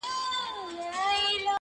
یاره ستا خواږه کاته او که باڼه وي،